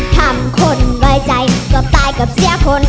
ทำคนไว้ใจก็ตายเกือบเสียคน